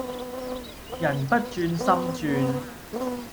人不轉心轉